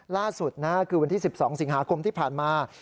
ล่าสุดคือวันที่๑๒สิงหาคมที่ผ่านมา